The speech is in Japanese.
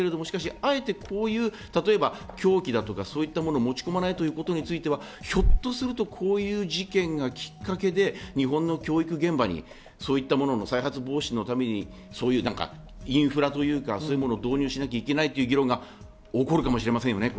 あえてこういう凶器だとかそういったものを持ち込まないということについては、ひょっとすると、こういう事件がきっかけで日本の教育現場に再発防止のためにインフラというか、そういうものを導入しなきゃいけないという議論が起こるかもしれませんね。